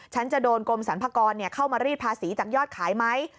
จะโดนกรมสรรพากรเข้ามารีดภาษีจากยอดขายไหม